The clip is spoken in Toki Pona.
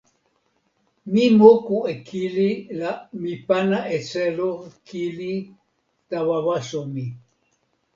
mi moku e kili la mi pana e selo kili tawa waso mi.